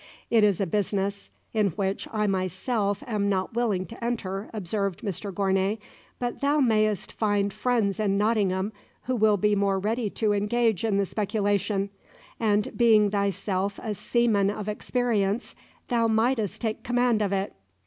It is a business in which I myself am not willing to enter," observed Mr Gournay; "but thou mayest find friends in Nottingham who will be more ready to engage in the speculation, and being thyself a seaman of experience, thou mightest take the command of it.